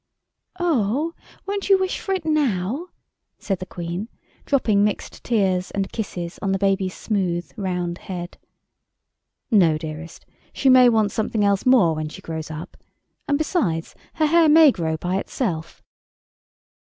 "Oh, won't you wish for it now?" said the Queen, dropping mixed tears and kisses on the baby's round, smooth head. "No, dearest. She may want something else more when she grows up. And besides, her hair may grow by itself."